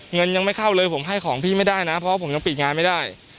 เงินยังไม่เข้าเลยผมให้ของพี่ไม่ได้นะเพราะว่าผมยังปิดงานไม่ได้